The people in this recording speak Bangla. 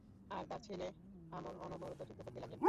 আর তাঁর ছেলে আমর অনবরত যুদ্ধ করতে লাগলেন।